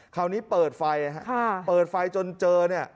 คราวนี้เปิดไฟเปิดไฟจนเจอเนี่ย